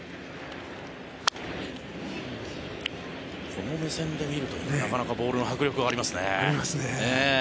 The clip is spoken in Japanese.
この目線で見ると、なかなかボールの迫力がありますね。ありますね。